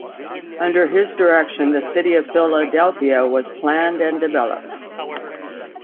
Under his direction, the city of Philadelphia was planned and developed.